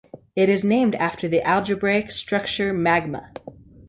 It is named after the algebraic structure magma.